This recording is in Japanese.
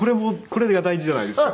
これが大事じゃないですか。